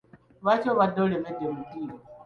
Lwaki obadde olemedde mu ddiiro?